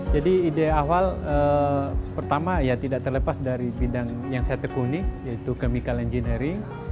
jadi ide awal pertama tidak terlepas dari bidang yang saya tekuni yaitu chemical engineering